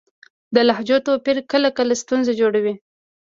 د لهجو توپیر کله کله ستونزه جوړوي.